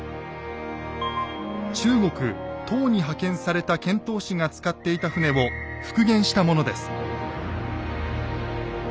中国唐に派遣された遣唐使が使っていた船を復元したものです。